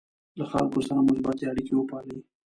له خلکو سره مثبتې اړیکې وپالئ.